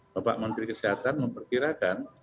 bapak menteri kesehatan memperkirakan